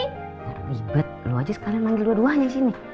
gak ribet lu aja sekalian manggil dua duanya disini